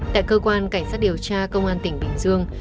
tại cơ quan cảnh sát điều tra công an tỉnh bình dương